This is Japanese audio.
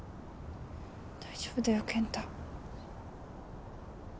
大丈夫だよ健太。